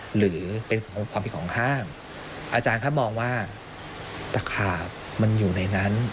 หรือเป็นความผิดของห้างอาจารย์ครับมองว่าตะขาบมันอยู่ในนั้น